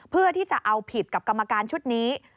เพื่อที่จะเอาผิดกับกรรมการชุดนี้